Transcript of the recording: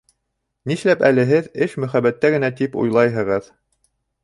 Нишләп әле һеҙ эш мөхәбәттә генә тип уйлайһығыҙ?